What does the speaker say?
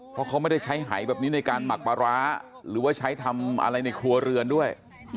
เพราะเขาไม่ได้ใช้หายแบบนี้ในการหมักปลาร้าหรือว่าใช้ทำอะไรในครัวเรือนด้วย